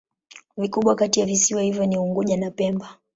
Vikubwa kati ya visiwa hivyo ni Unguja na Pemba.